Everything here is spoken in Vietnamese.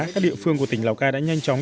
các địa phương của tỉnh lào cai đã nhanh chóng